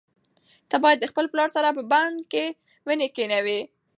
ته باید د خپل پلار سره په بڼ کې ونې کښېنوې.